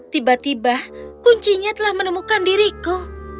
tiba tiba kuncinya telah menemukan diriku